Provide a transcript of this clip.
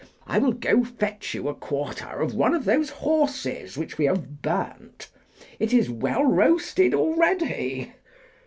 I will go fetch you a quarter of one of those horses which we have burnt; it is well roasted already.